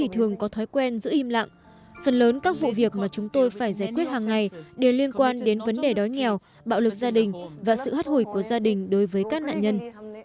đàn ông thường có thói quen giữ im lặng phần lớn các vụ việc mà chúng tôi phải giải quyết hằng ngày đều liên quan đến vấn đề đói nghèo bạo lực gia đình và sự hắt hủy của gia đình đối với các nạn nhân